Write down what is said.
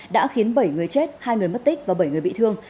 đã khiến bảy người chết hai người mất tích và bảy người bị thương